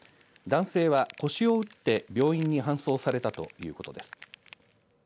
男性は腰を打って、病院に搬送されたということです。